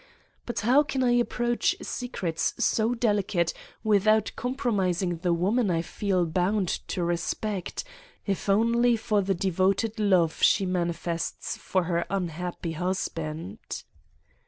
"But how can I approach secrets so delicate without compromising the woman I feel bound to respect, if only for the devoted love she manifests for her unhappy husband!